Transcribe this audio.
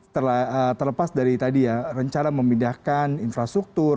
terlepas dari tadi ya rencana memindahkan infrastruktur